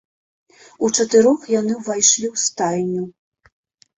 Учатырох яны ўвайшлі ў стайню.